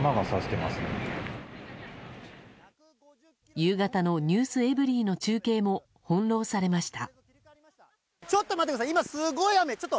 夕方の「ｎｅｗｓｅｖｅｒｙ．」の中継も翻弄されました。